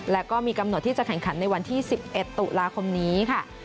และก็มีกำหนดที่จะแข่งขันในวันที่๑๑ตุลาคมนี้ค่ะ